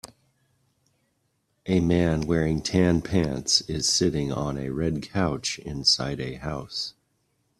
A man wearing tan pants is sitting on a red couch inside a house.